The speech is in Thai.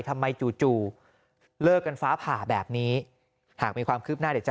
จู่จู่เลิกกันฟ้าผ่าแบบนี้หากมีความคืบหน้าเดี๋ยวจะ